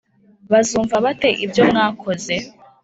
Bazumva bate ibyo mwakoze